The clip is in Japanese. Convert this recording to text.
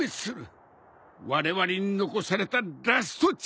われわれに残されたラストチャンス。